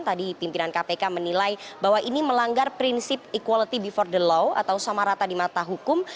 tadi pimpinan kpk menilai bahwa ini melanggar prinsip equality before the law atau sama rata di mata hukum